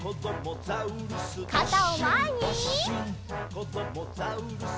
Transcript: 「こどもザウルス